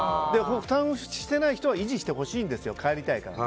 負担をしてない人は維持してほしいんですよ帰りたいから。